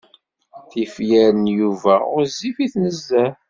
Tifyar n Yuba ɣezzifit nezzeh.